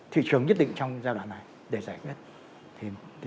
thị trường nhất định trong giai đoạn này để giải quyết